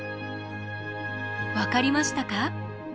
分かりましたか？